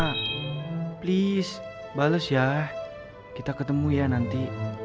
please bales ya kita ketemu ya nanti